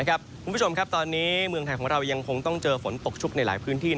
คุณผู้ชมครับตอนนี้เมืองไทยของเรายังคงต้องเจอฝนตกชุกในหลายพื้นที่